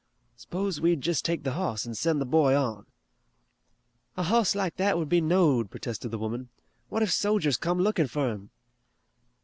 S'pose we jest take the hoss and send the boy on." "A hoss like that would be knowed," protested the woman. "What if sojers come lookin' fur him!"